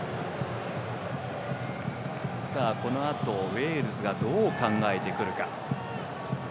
このあと、ウェールズがどう考えてくるか。